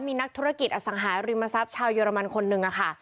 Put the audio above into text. มีนักธุรกิจอสังหาริมทรัพย์ชาวเยอรมันคนหนึ่งค่ะ